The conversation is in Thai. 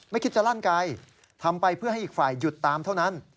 คิดจะลั่นไกลทำไปเพื่อให้อีกฝ่ายหยุดตามเท่านั้น